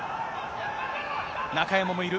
中山もいる。